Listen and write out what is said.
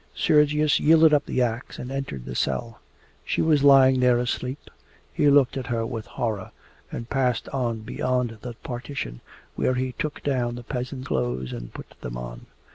Sergius yielded up the axe and entered the cell. She was lying there asleep. He looked at her with horror, and passed on beyond the partition, where he took down the peasant clothes and put them on.